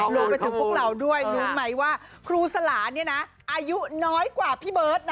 รวมไปถึงพวกเราด้วยรู้ไหมว่าครูสลาอายุน้อยกว่าพี่เบิร์ต